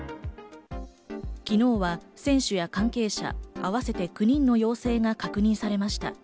昨日は選手や関係者、合わせて９人の陽性が確認されました。